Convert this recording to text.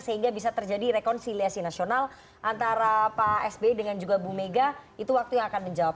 sehingga bisa terjadi rekonsiliasi nasional antara pak sby dengan juga bu mega itu waktu yang akan menjawab